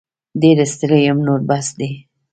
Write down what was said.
ډير ستړې یم نور بس دی